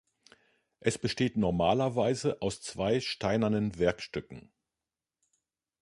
Es besteht normalerweise aus zwei steinernen Werkstücken.